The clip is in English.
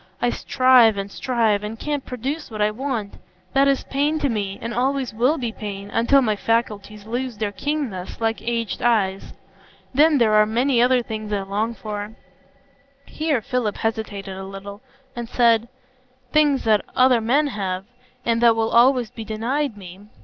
I strive and strive, and can't produce what I want. That is pain to me, and always will be pain, until my faculties lose their keenness, like aged eyes. Then there are many other things I long for,"—here Philip hesitated a little, and then said,—"things that other men have, and that will always be denied me.